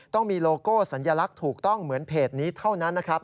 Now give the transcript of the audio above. ต้องมีโลโก้สัญลักษณ์ถูกต้องเหมือนเพจนี้เท่านั้นนะครับ